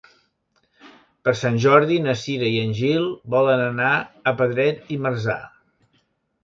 Per Sant Jordi na Cira i en Gil volen anar a Pedret i Marzà.